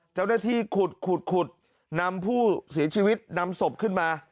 เจ้าหน้าที่ขุดขุดนำผู้เสียชีวิตนำศพขึ้นมา